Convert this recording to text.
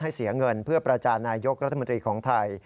เสียเงินเพื่อประจานนายกรัฐมนตรีของไทย